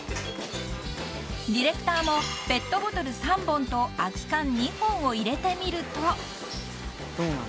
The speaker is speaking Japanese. ［ディレクターもペットボトル３本と空き缶２本を入れてみると］